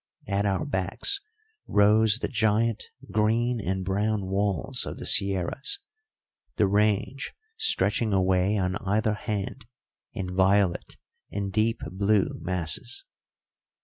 At our backs rose the giant green and brown walls of the sierras, the range stretching away on either hand in violet and deep blue masses.